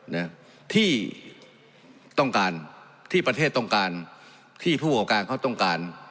นะที่ต้องการที่ประเทศต้องการที่ผู้ประกอบการเขาต้องการ